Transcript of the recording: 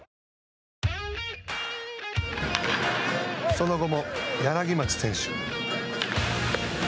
その後も柳町選手。